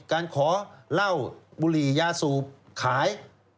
การขอเหล้าบุหรี่ยาสูบขาย